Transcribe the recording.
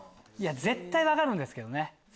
絶対分かるんですけどね。